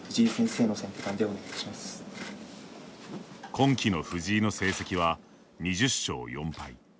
今季の藤井の成績は２０勝４敗。